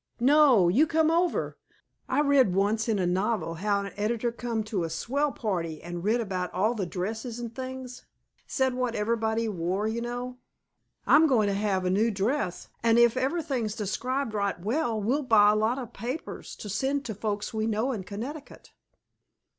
"No; you come over. I read once, in a novel, how an editor come to a swell party an' writ about all the dresses an' things said what everybody wore, you know. I'm goin' to have a new dress, an' if ever'thing's described right well we'll buy a lot of papers to send to folks we know in Connecticut."